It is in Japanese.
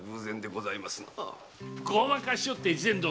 ごまかしおって越前殿！